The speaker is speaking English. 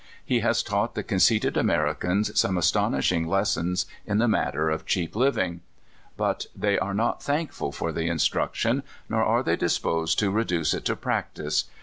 He has taught the conceited Americans some astonishing lessons in the matter of cheap living. But they are not thankful for the instruction, nor are they disposed to reduce it to practice.